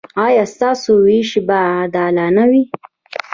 ایا ستاسو ویش به عادلانه وي؟